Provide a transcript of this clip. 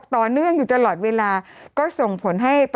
กรมป้องกันแล้วก็บรรเทาสาธารณภัยนะคะ